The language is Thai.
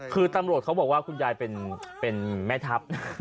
คือตำรวจเขาบอกว่าคุณยายเป็นแม่ทัพ